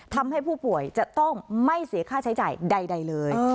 ทำให้ผู้ป่วยจะต้องไม่เสียค่าใช้จ่ายใดเลย